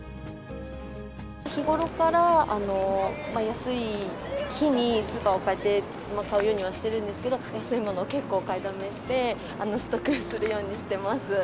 日頃から、安い日にスーパーを変えて買うようにはしてるんですけど、安いものを結構買いだめして、ストックするようにしてます。